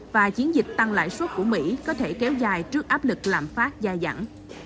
và chiến dịch tăng lại suất của mỹ có thể kéo dài trước áp lực lạm phát dài dặn